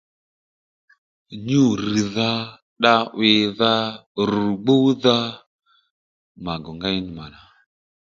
Nyû rr̀dha dda 'wìdha rù gbúdha mà gò ngéy nî mà nà